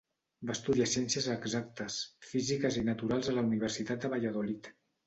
Va estudiar Ciències Exactes, Físiques i Naturals a la Universitat de Valladolid.